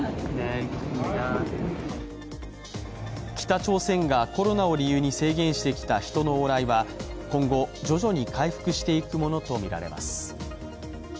北朝鮮がコロナを理由に制限してきた人の往来は今後、徐々に回復していくものとみられます。